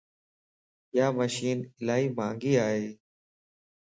يا مشين الائي مھنگي ائي